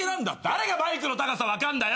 誰がマイクの高さ分かんだよ。